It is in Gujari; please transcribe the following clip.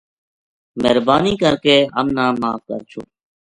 مہربانی کر کے ہم نا معاف کر چھُڑ